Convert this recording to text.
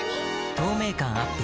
透明感アップ